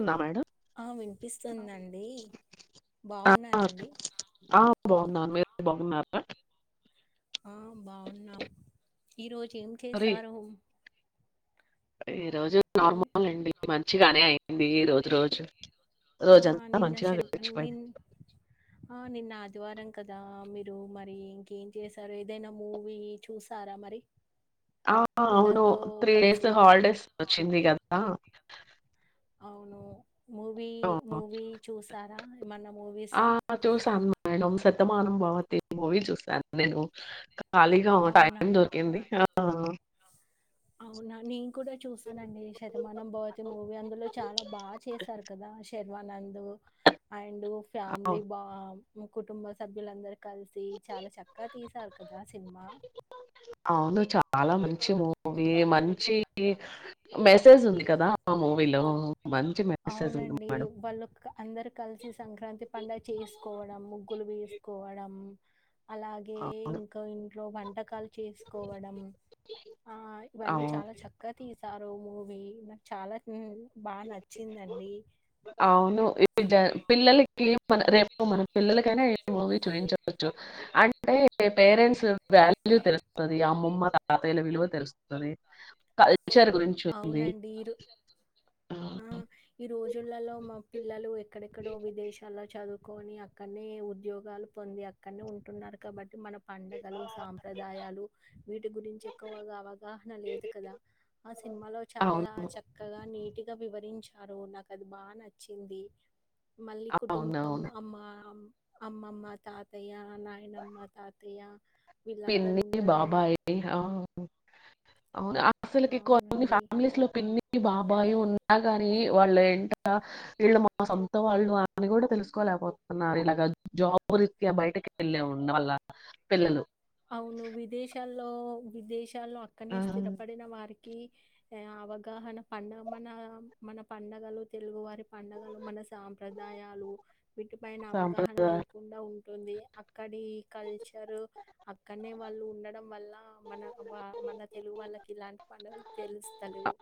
ఉందా మేడం ఆ వినిపిస్తుందండి బాగున్నరా అండి మీద బాగున్నారా ఆ బాగున్నావు ఈరోోజు ఏం చేశారు రే రోజు అన్ నార్మల్ అండి మంచిగానే అయింది రోజు రోజు ఆ రోజంతా నిన్న మంచిగా శన్ గడిచిపోయింది నిన్ రు మరి ఇంకేం చేసారు ఏదైనా మూవీ చూసారా మరి ఆ అవును పిల్లలతో త్రీ డేస్ కలిసి హాలిడేస్ వచ్చింది కదా అవును మూవీ ఆ, మూవీ చూసారా ఏమన్నా మూవీస్ బవతి మూవీ చుసను నిను క కాళీగా అవునా టైం దొరికింది ఆ అవునా నేను కూడా చూసానండి శతమానం బవతి మూవీ అందులో చాలా బాగా చేశారు కదా శర్వానందు అండ్ డ్ ఆ. ఫ్యామిలీ బా కుటుంబ సభ్యులందర్ కలిసి చాలా చక్కగా తీసారు కదా సినిమా అవును. చాలా మంచి మూవీ. మంచి మెసేజ్ ఉంది కదా ఆ మూవీలో. మంచి మెసేజ్ ఉంది అవునండి మేడం. వాళ్ళు అందరు కలిసి సంక్రాంతి పండుగ చేసుకోవడం ముగ్గులు వేసుకోవడం అలాగే అవును. ఇంకా ఇ లో వంటకాల్ చేసుకోవడం ఆ ఇవన్నీ అవును. చాలా చక్కగా తీస్ సారు ము వి నాకు చాలా హు బాగా నచ్చిందండి అవును ఈ జ పిల్లలకి రేపు మన పిల్లలకైనా ఏ మూవీ చూయిించవచ్చు అంటే పేరెంట్స్ వాల్యూ తెలుస్తది అమ్మమ్మ తాతయ్యల విలువ తెలుస్తది ఆ అవునండి ఈరో ఆ ఈ రోజ్ జుల్లలో మా పిల్లలు ఎక్కడెక్కడో విదేశాల చదువుకొని అక్కడనే ఉద్యోగాలు పొంది అక్కడనే ఉంటున్నారు కాబట్టి మన. పండగలు సాంప్రదాయాలు వీటి గురించి ఎక్కువగా అవగాహన లేదు కదా. ఆ సినిమాలో చాలా అవును. చక్కగా నీటుగా వివ వివరించారు నాకు అది బాగా నచ్చింది. మళ్ళీ కుటుంబం అవునవును. అమ్మ ఆమ్. అమ్మమ్మ తాతయ్య నాయినమ్మ తాతయ్య. వీళ్ళందరూ పన్నీర్ ఉండడం బాబా ఏ ఆహ్. అవునా ఆహ్. అస్సలకి ఎక్కువన్ని అవునండి ఫ్యామిలీస్ లో పిన్ని బా అబ్బాయి ఉన్నా గాని వాళ్ళు ఎంట వీళ్ళు మా సొంత వాళ్ళు అని కూడా తెలుసుకోలేకపోతున్నారు. ఇలాగ జాబు రీత్యా బయటకి వెళ్ళిన ఉన్న వాళ్ళ పిల్లలు. అవును విదేశాల్లో విదేశ. విదేశాల్లో ఆ! అక్కడనే స్థిరపడిన వారికి. కి ఆహ్ అవగాహన పండగ మన మన పండగలు తెలుగు వారి. పండగలు మన సాంప్రదాయాలు వీటిపైన అవగాహన సాంప్రదాయ లేకుండా ఉ ఉంటుంది అక్కడి కల్చర్. అక్కడ్నే వాళ్ళు ఉండడం వల్ల. మన మన తెలుగు వాళ్ళకి ఇలాంటి పండగలు తెలుస్తలేవు.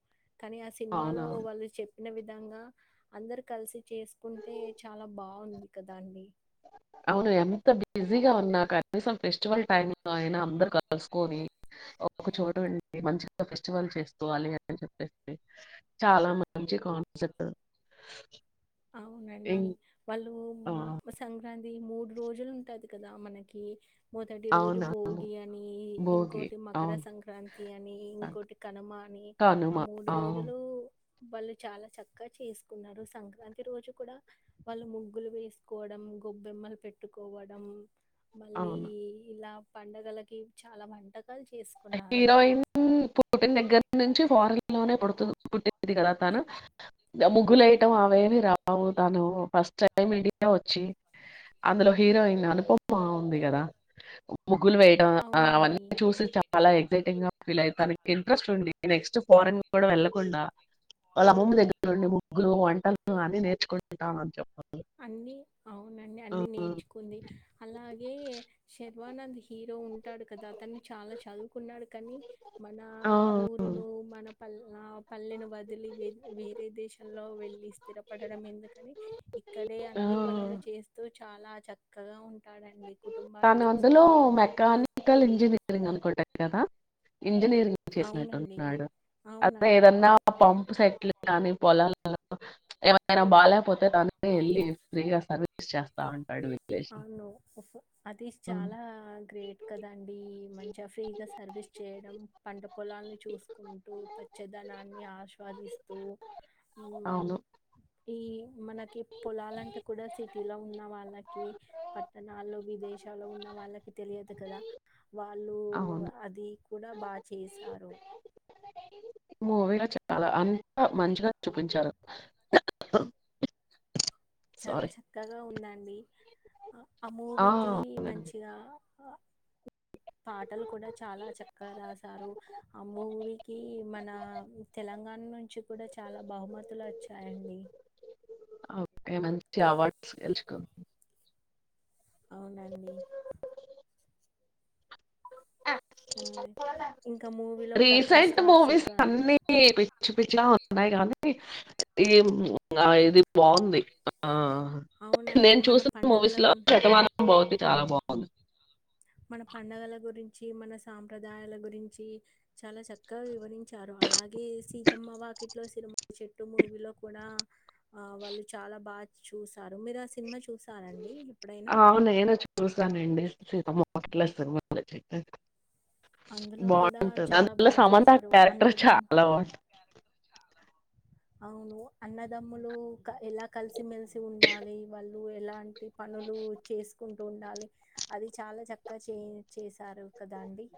కానీ ఆ అవునా? సినిమాలో వాళ్ళు చెప్ అదే విధంగా అందరు కలిసి చేసుకుంటే చాలా బాగుంది కదా అండి. అవును ఎంత బిజీగా ఉన్నా కనీసం ఫెస్టివల్ టైమ్ లో అయినా అందరు కలుసుకొని ఒక చోటుండీ. మంచిగా ఫెస్టివల్ చేసుకోవాలి. అని చెప్పేసి చాలా మంచి కాన్సెప్ట్. అవునండి ఇం వాళ్ళు ఆ! సంక్రాంతి. ఇది మూడు రోజులు ఉంటాది కదా మనకి. మొదటి రోజు అవునవును. భోగి అని భోగి. ఇంకోటి మకర అవును. సంక్రాంతి అని ఇంకోటి కనుమ అని కనుమ. ఆ మూడు అవును. రోజులు. వాళ్ళు చాలా చక్కగా చేసుకున్నారు సంక్రాంతి. ప్రతి రోజు కూడా వాళ్ళు ముగ్గులు వేసుకోవడం గొబ్బెమ్మలు పెట్టుకోవడం. మళ్ళీ అవును. ఇలా. పండుగలకి చాలా వంటలు. హీరోయిన్ పుట్టిన దగ్గర నుంచి ఫారన్. లోనే పుడుతుంది కదా తను ముగ్గులేయటం అవేవి రావు. తను ఫస్ట్ టైం ఇండియా వచ్చి అందులో హీరోయిన్ అనుపమా ఉంది కదా. ముగ్గులు వేయడం అవునండి. అవన్నీ చూసి చ. చాలా ఎక్సైటింగ్ గా ఫీల్ అయితానం ఇంట్రెస్ట్ ఉంది నెక్స్ట్ ఫారెన్ కూడా వెళ్ళకుండా వాళ్ళ అమ్మమ్మ దగ్గర ఉండి ముగ్గులు వంటలు అన్ని నేర్చుకుంటా అని చెప్పడం. అన్ని అవునండి అన్ని నేర్చుకుంది అలాగే. ఏ షేప్. హీరో ఉంటాడు కదా అతన్ని చాలా చదువుకున్నాడు కానీ మన ఆ. ఆ. ఊరును మన పల్ పల్లెను వదిలి వ వేరే దేశంలో వెళ్ళి స్థిరపడడం ఎందుకని ఇక్కడే ఆ అన్ని పనులు చేస్తూ చాలా చక్కగా ఉంట తను అందులో మెకానికల్ ఇంజనీరింగ్ అనుకుంటాను కద ఇంజనీరింగ్ అవునండి. చేసినట్టుంటున్నాడు అదే అవునండి. ఏదన్నా అవును. పంప్ సెట్లు కానీ పొలాలు ఆయన బాలేకపోతే దాని వెళ్ళి ఫ్రీగా సర్వీస్ చేస్తా ఉంటాడు లేసి అవును అది చాలా గ్రేట్ కదండి మంచిగా ఫ్రీగా సర్వీస్ చేయడం పంట పొలాలను చూసుకుంటూ పచ్చదనాన్ని ఆస్వాదిస్తూ అవును ఈ మనకి పొలాలంటే కూడా సిటీలో ఉన్న వాళ్ళకి ది పట్టణాల్లో విదేశాల్లో ఉన్న వాళ్ళకి తెలియదు కదా వాళ్ళు అవును. అది అయినా బా చేశారు మూవీలో చాలా అంతా మంచిగా చూపించారు చాలా సారీ. చక్కగా ఉన్నా ది ఆ మూవీకి మంచిగా పాటలు కూడా చాలా చక్కగా రాశారు ఆ మూవీకి మన తెలంగాణ నుంచి కూడా చాలా బహుమతులు వచ్చాయండి ఓకే మంచి అవార్డ్స్ గెలుచుకు అవునండి హ్మ్. ఇంకా మూవీలో ప్రకాష్ రీసెంట్ రాజు మూవీస్ కానీ అన్నీ పిచ్చి పిచ్చలా ఉ ఉన్నాయి కానీ ఈ ఇది బావుంది ఆ అవునండి. నేను మన చూసిన పండగల మూవీస్ లో గు శతమానం భవతి చాలా బావుంది మన పండగల గురించి మన సాంప్రదాయాల గురించి చాలా చక్కగా వివరించారు అలాగే సీతమ్మ వాకిట్లో సినిమా చెట్టు మూవీలో కూడా ఆ వాళ్ళు చాలా బాగా చూసారు మీరు ఆ సినిమా చూస్త అవు నేను చూసానండి సీత పట్లా స మ చె అందులో కూడా బాగుంటుంది చాలా అందుల్లో బాగా సమంత చేశారు క్యారెక్టర్ అన్నదం చాలా బాగుంటుంది అవును అన్నదమ్ములు ఎలా కల్సి మెలిసి ఉండాలి వాళ్ళ ఎలాంటి పనులు చేసుకుంట ఉండాలి అది చాలా చక్కగా చేంజ్ చేసారు కదా అండి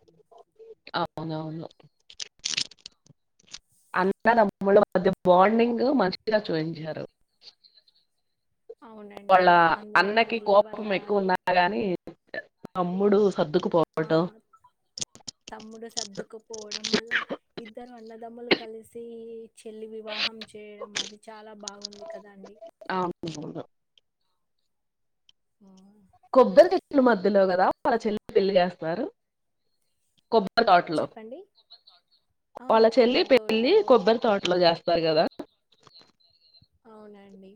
అవునవును అన్నదమ్ముల బాండింగ్ మంచిగా చూయించారు వాళ్ళ అవునండి అందులో అన్నకి మళ్ళీ వాళ్ళ కోపం ఎక్కువ ఉన్నా గాని తమ్ముడు ఆ సర్దుకుపోవటం తమ్ముడు సర్దుకుపోవడం వల్ల ఇద్దరు అన్నదమ్ములు కలిసి చెల్లి వివాహం చేయడం అది చాలా బాగుంది కదండి అవును అవును కొబ్బరి చెట్లు మధ్యలో కదా వాళ్ళ చెల్లి పెళ్లి చేస్తారు కొబ్బరి కొబ్బరి తోటలో చెప్పండి ఆ వాళ్ళ చెల్లి కొబ్బరి పెళ్లి తోటలో కొబ్బరి తోటలో చేస్తారు కదా అవునండి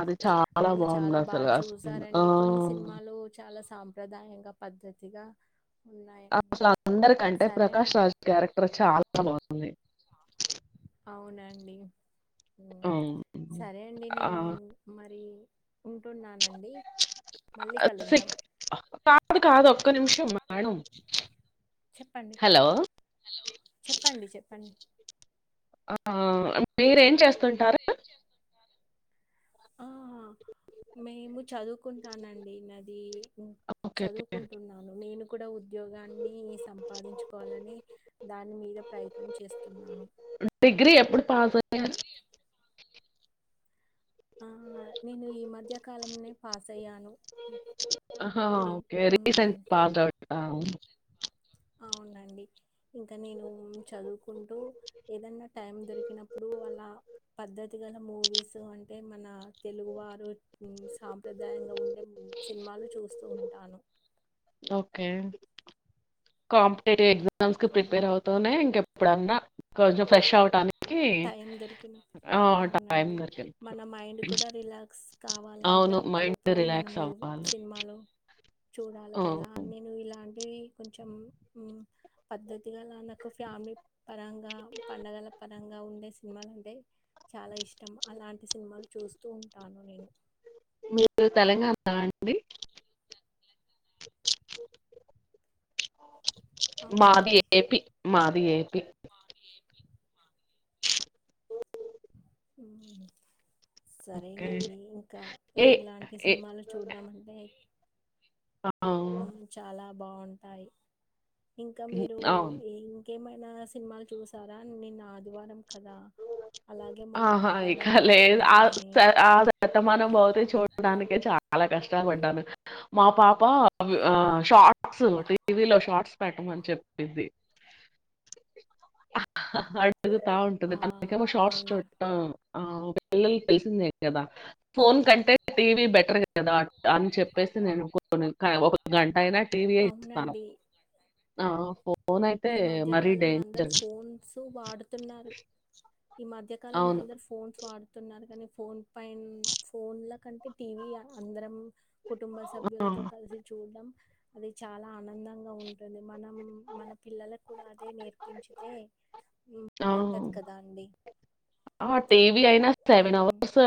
అది చాలా అన్ని బాగుంది చాలా బాగా అసలు అసలు ఆ, చూసారండి కొన్ని సినిమాలు చాలా సాంగ్స్ ప్రధానంగా పద్ధతిగా ఉన్నాయండి అసలు అందరికంటే సరే ప్రకాష్ అండి రాజ్ క్యారెక్టర్ చాలా బాగుంది అవునండి ఉమ్. సరే అండి ఆ, నేను మరి ఉంటున్నాను కాదు కాదు ఒక్క నిమిషం మేడం చెప్పండి హలో చెప్పండి చెప్పండి ఆ మీరు ఏం చేస్తుంటారు ఆ! మేము చదువుకుంటానండి అది ఓకే ఓకే చదువుకుంటున్నాను నేను కూడా ఉద్యోగాన్ని సంపాదించుకోవాలని దాని మీద ప్రయత్నం చేస్తున్నాను డిగ్రీ ఎప్పుడు పాస్ అయ్యారు డిగ్రీ నేను ఈ మధ్య కాలంలోనే పాస్ అయ్యాను ఓకే రీసెంట్ పాస్ అవుట్ అవునండి ఇంకా నేను చదువుకుంటూ ఏదన్నా టైం దొరికినప్పుడు వాళ్ళ పద్ధతి గల మూవీస్ అంటే అంటే మన తెలుగు వారు సాంప్రదాయంగా ఉండే సినిమాలు చూస్తూంట ఆను ఓకే క్యాంపు ఎగ్జామ్ ఎగ్జామ్ కు ఉమ్. ప్రిపేర్ అవుతూనే ఇంకెప్పుడన్నా కొంచెం ఫ్రెష్ అవటానికి టైం దొరికిన ఆ టైం అవునండి దొరికింది మన మైండ్ కూడా రిలాక్స్ కావాలంటే అవును మైండ్ అప్పుడప్పుడు మనము రిలాక్స్ మూవీస్ అవ్వాలి సినిమా చూడాలి ఆ, కదా నేను ఇలాంటి ఏ కొంచెం యూ పద్ధతి గల నాకు ఫ్యామిలీ పరంగా పండగల ప అనంగా ఉండే సినిమాలు అంటే చాలా ఇష్టం అలాంటి సినిమాలు చూస్తూ ఉంటాను నేను మీరు తెలంగాణ నా అండి మాది అవునండి ఏపి మాది ఏపి ఓ సరేనండి ఇంకా ఏ ఇలాంటి ఏ సినిమాలు చూద్దామంటే ఆ, ఉమ్ చాలా అప్ బాగుంటాయి ఇంకా మీరు అవును ఏం ఇంకేమైనా సినిమాలు చూసారా నిన్న ఆదివారం కదా అలాగే మొన్న ఆహా పండగ ఇక ఉంది లేదు ఆ రంజాన్ అని. ఆ శతమానం భవతి చూడ్డానికే చాలా కష్టం కష్టపడ్డాను మా పాప ఆ షార్ట్స్ టీవీలో షార్ట్స్ పెట్టమని చెప్పింది అహహా ఆ! [unintelligible] షార్ట్స్ అవునా? చూడం ఆ పిల్లలు తెలిసిందే కదా ఫోన్ కంటే టీవీ బెటర్ కదా అని చెప్పేసి నేను కొన్ని ఒక గంట అయినా టీవీయే అవును ఇస్తాను. అండి ఆ హో ఈ మధ్యకాలంలో అందరు ఫోన్స్ ఉ వాడుతున్నారు ఈ మధ్య కాలంలో అవును. అందరు ఫోన్స్ వాడుతున్నారు కానీ ఫోన్ పైన్ ఫోన్లో కంటే టీవీ అందరం కుటుంబ ఆ! సభ్యులతో కలిసి చూడం అది చాలా ఆనందంగా ఉంటుంది మనం మన పిల్లలకు కూడా అదే నేర్పించితే యూ ఆ! బాగుంటది కదా అండి ఆ టీవ్ వీ అయినా సెవెన్ అవర్స్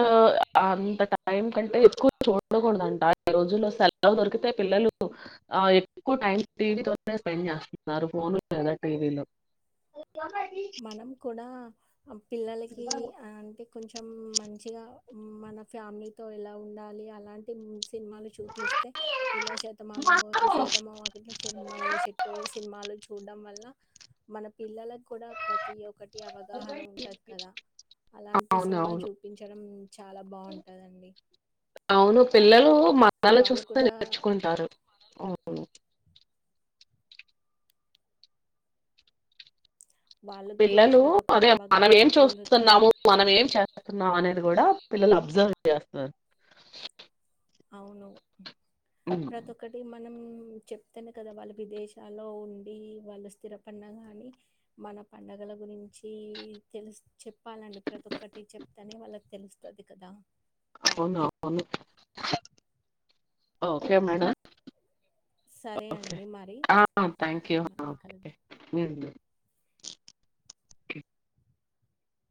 అంత టైం కంటే ఎక్కువ చూడకూడదంట ఈ రోజులు సెలవు దొరికితే పిల్లలు ఆ ఎక్కువ టైం టీవీ తోనే స్పెండ్ చేస్తున్నారు ఫోన్లు లేదా టీవీలో మనం కూడా ఆమ్ పిల్ పిల్లలకి అంటే కొంచెం మంచిగా మన ఫ్యామిలీతో ఎలా ఉండాలి అలాంటివి తిన్ మాలు చూపిస్తే ఇలా శతమానం భవతి, సీతమ్మ వాకిట్లో సిరిమల్లె చెట్టు సినిమాలు చూడడం వల్ల మన పిల్లల కూడా ప్రతి ఒక్కటి అవగాహన ఉంటాది కదా అలాంటి అవును సినిమాలు అవును చూపించడం చాలా బాగుంటాదండి వాళ్లే చూస్తే నేర్చుకుంటారు అవును వాళ్ళకు కూడా పిల్లలు ప్రతి ఒక్కటి అదే మనం అవగాహన ఏం పొందుతారు చూస్తున్నాము మనం ఏం చేస్తున్నాము అనేది గూడా పిల్లలు అబ్జర్వ్ చేస్తారు అవును ఉమ్, ప్రతి ఒక్కటి మా మనం చెప్తేనే కదా వాళ్ళు విదేశాల్లో ఉండి వాళ్ళు స్థిరపన్న కానీ మన పండగల గురించి తెలు చెప్పు చెప్పాలండి ప్రతి ఒక్కటి చెప్తానే వాళ్ళకి తెలుస్తది కదా అవునవును ఓకే మేడం సరే ఓకే అండి మరి ఆ థ్యాంక్ ఆ, యూ మళ్ళీ కలుద్దాం